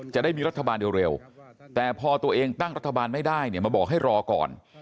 จะได้มีรัฐบาลเร็วแต่พอตัวเองตั้งรัฐบาลไม่ได้เนี่ยมาบอกให้รอก่อน